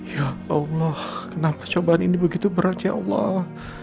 ya allah kenapa cobaan ini begitu berat ya allah